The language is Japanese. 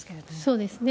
そうですね。